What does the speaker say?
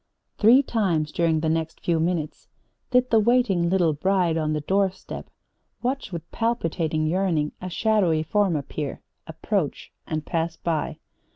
Three times during the next few minutes did the waiting little bride on the doorstep watch with palpitating yearning a shadowy form appear, approach and pass by.